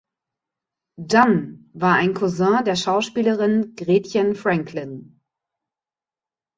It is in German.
Dunn war ein Cousin der Schauspielerin Gretchen Franklin.